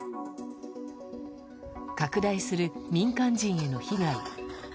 拡大する民間人への被害。